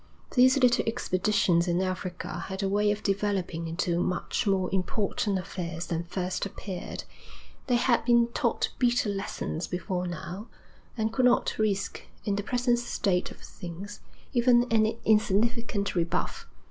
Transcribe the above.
These little expeditions in Africa had a way of developing into much more important affairs than first appeared. They had been taught bitter lessons before now, and could not risk, in the present state of things, even an insignificant rebuff.